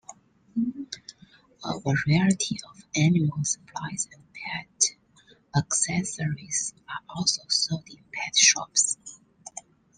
A variety of animal supplies and pet accessories are also sold in pet shops.